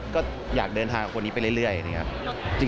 ก็อยากเดินทางกับคนนี้ไปเรื่อยนะครับ